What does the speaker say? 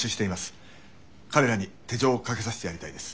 彼らに手錠をかけさせてやりたいです。